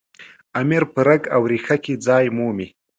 امیر په رګ او ریښه کې ځای مومي.